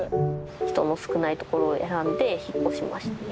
「人の少ないところを選んで引っ越しました」。